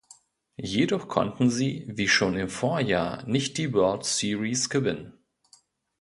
Jedoch konnten sie, wie schon im Vorjahr, nicht die World Series gewinnen.